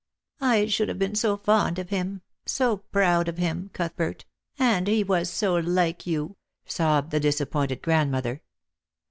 " I should have been so fond of him, so proud of him, Cuthbert ; and he was so like you," sobbed the disappointed grandmother.